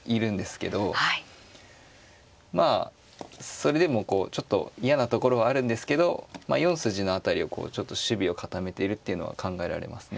それでもこうちょっと嫌なところはあるんですけど４筋の辺りをちょっと守備を固めているっていうのは考えられますね。